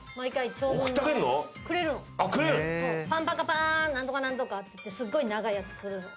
パンパカパーン何とか何とかってすごい長いやつ来るの。